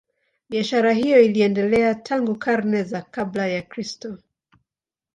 Biashara hiyo iliendelea tangu karne za kabla ya Kristo.